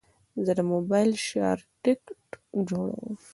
زه د موبایل شارټکټ جوړوم.